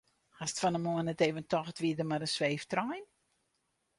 Hast fan 'e moarn net even tocht wie der mar in sweeftrein?